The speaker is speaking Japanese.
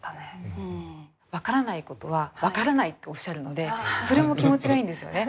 分からないことは分からないっておっしゃるのでそれも気持ちがいいんですよね。